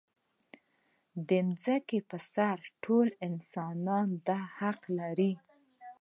د ځمکې پر سر ټول انسانان دا حق لري.